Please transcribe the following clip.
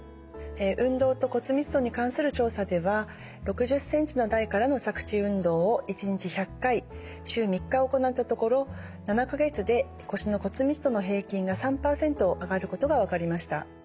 運動と骨密度に関する調査では６０ｃｍの台からの着地運動を１日１００回週３日行ったところ７か月で腰の骨密度の平均が３％上がることが分かりました。